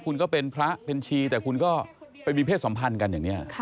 คุณก็เป็นพระเป็นชีแต่คุณก็ไปมีเพศสัมพันธ์กันอย่างนี้